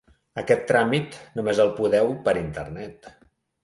Aquest tràmit només el podeu per internet.